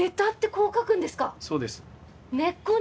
そうです。